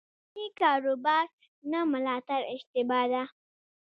د کوچني کاروبار نه ملاتړ اشتباه ده.